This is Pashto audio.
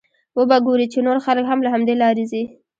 وبه ګورې چې نور خلک هم له همدې لارې ځي.